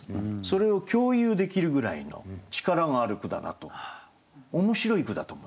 それを共有できるぐらいの力がある句だなと面白い句だと思いました。